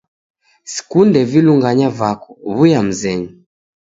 Sikunde vilunganya vako wiya mzenyu